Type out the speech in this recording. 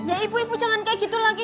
ya ibu ibu jangan kayak gitu lagi